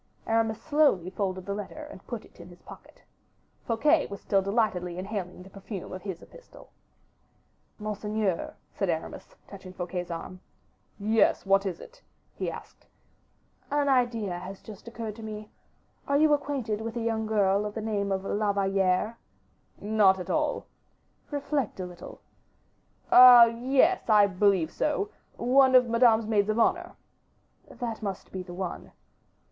Aramis slowly folded the letter and put it in his pocket. Fouquet was still delightedly inhaling the perfume of his epistle. "Monseigneur," said Aramis, touching Fouquet's arm. "Yes, what is it?" he asked. "An idea has just occurred to me. Are you acquainted with a young girl of the name of La Valliere? "Not at all." "Reflect a little." "Ah! yes, I believe so; one of Madame's maids of honor." "That must be the one."